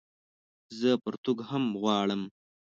زه پرتوګ هم غواړم